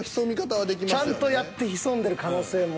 ちゃんとやって潜んでる可能性も。